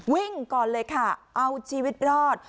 วิ่งก่อนเลยค่ะเอาชีวิตรอด